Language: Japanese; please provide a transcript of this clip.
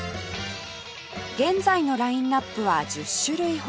現在のラインアップは１０種類ほど